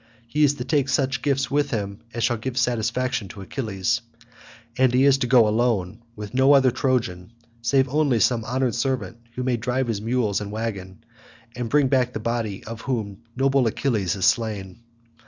He is to take such gifts with him as shall give satisfaction to Achilles, and he is to go alone, with no other Trojan, save only some honoured servant who may drive his mules and waggon, and bring back the body of him whom noble Achilles has slain.